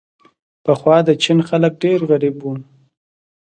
پخوا د چین خلک ډېر غریب وو.